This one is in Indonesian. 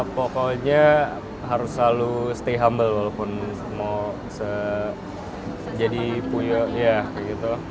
pokoknya harus selalu stay humble walaupun mau jadi puyo ya kayak gitu